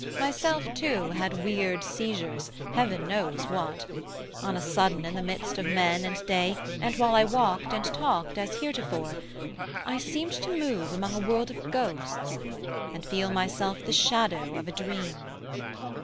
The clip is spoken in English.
Myself too had weird seizures, Heaven knows what: On a sudden in the midst of men and day, And while I walked and talked as heretofore, I seemed to move among a world of ghosts, And feel myself the shadow of a dream.